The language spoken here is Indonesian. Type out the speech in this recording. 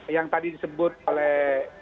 yang tadi disebut oleh